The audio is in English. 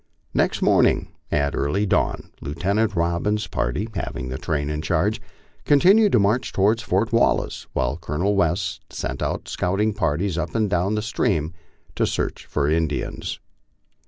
Next morning at early dawn Lieutenant Robbins's party, having the train in charge, continued the march toward Fort Wallace, while Colonel West sent out scouting parties up and down the stream to search for Indians.